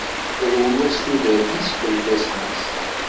Terwel-as tudert-is gar ifasen-is.